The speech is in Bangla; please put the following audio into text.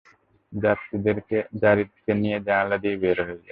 যারীদকে নিয়ে জানালা দিয়ে বেরিয়ে যাও।